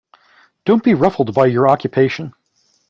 Don't be ruffled by your occupation.